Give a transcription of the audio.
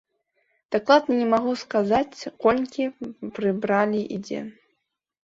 Дакладна не магу сказаць, колькі прыбралі і дзе.